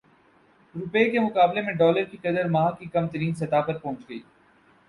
روپے کے مقابلے میں ڈالر کی قدر ماہ کی کم ترین سطح پر پہنچ گئی